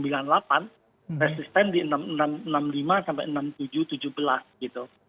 resisten di enam enam puluh lima sampai enam tujuh ratus tujuh belas gitu